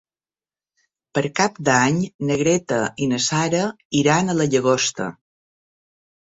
Per Cap d'Any na Greta i na Sara iran a la Llagosta.